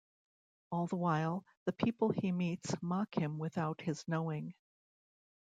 All the while, the people he meets mock him without his knowing.